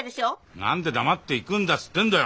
何で黙って行くんだっつってんだよ。